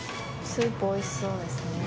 スープおいしそうですね